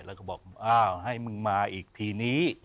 แล้วก็บอกอ้าวให้มึงมาอีกทีนี้